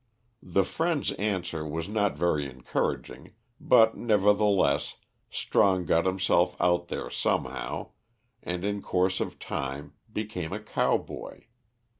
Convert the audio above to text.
The friend's answer was not very encouraging, but, nevertheless, Strong got himself out there somehow, and in course of time became a cowboy.